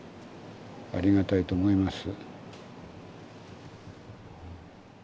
ありがたいと思います。